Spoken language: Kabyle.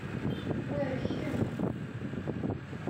Wa, kemm!